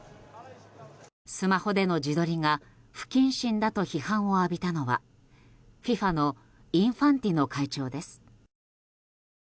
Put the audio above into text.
スマホでの自撮りが不謹慎だと批判を浴びたのはＦＩＦＡのインファンティノ会長です。